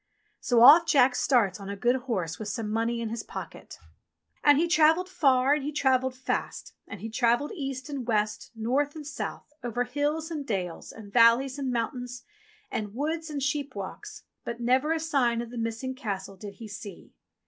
So off Jack starts on a good horse with some money in his pocket. And he travelled far and he travelled fast, and he travelled east and west, north and south, over hills, and dales, and valleys, and mountains, and woods, and sheepwalks, but never a sign of the missing castle did he see.